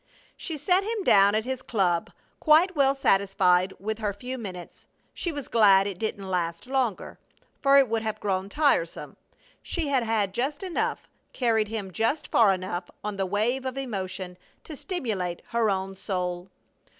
She set him down at his club, quite well satisfied with her few minutes. She was glad it didn't last longer, for it would have grown tiresome; she had had just enough, carried him just far enough on the wave of emotion, to stimulate her own soul.